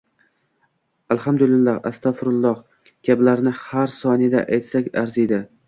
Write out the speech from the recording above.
“Alhamdulillah”, “Astag‘firulloh” kalimalarini har soniyada aytsak arziydi.